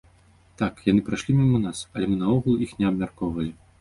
Так, яны прайшлі міма нас, але мы наогул іх не абмяркоўвалі.